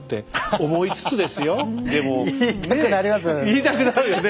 言いたくなりますよね。